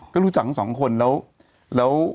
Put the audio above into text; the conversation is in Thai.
ก็รู้จักทั้งสองคนแล้ว